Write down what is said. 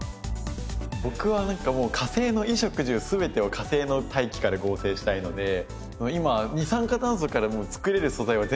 僕はなんかもう火星の衣食住全てを火星の大気から合成したいので今二酸化炭素からつくれる素材は全部つくろうとしてるんですよ。